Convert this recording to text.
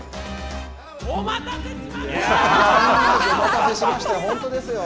お待たせしましたよ。